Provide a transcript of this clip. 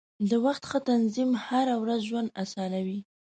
د وخت سم تنظیم هره ورځي ژوند اسانوي.